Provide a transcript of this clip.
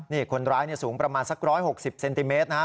นี่คนร้ายเนี่ยสูงประมาณสักร้อยหกสิบเซนติเมตรนะฮะ